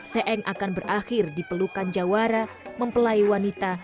se eng akan berakhir dipelukan jawara mempelai wanita